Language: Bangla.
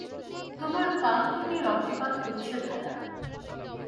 তোমার কান থেকে রক্তপাত হচ্ছে ভায়া।